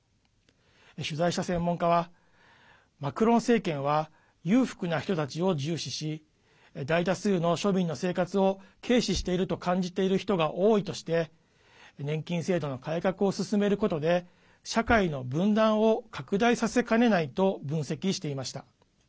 取材した専門家はマクロン政権は裕福な人たちを重視し大多数の庶民の生活を軽視していると感じている人が多いとして年金制度の改革を進めることで社会の分断を拡大させかねないと分析していました。